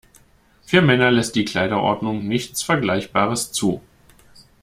Für Männer lässt die Kleiderordnung nichts Vergleichbares zu.